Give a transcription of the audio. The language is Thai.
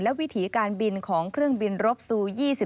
วิถีการบินของเครื่องบินรบซู๒๔